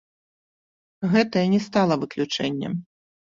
Гэтая не стала выключэннем.